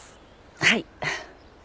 はい。